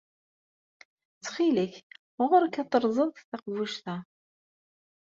Ttxil-k, ɣur-k ad terẓeḍ taqbuct-a.